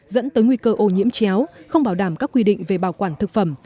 dẫn tới nguy cơ ô nhiễm chéo không bảo đảm các quy định về bảo quản thực phẩm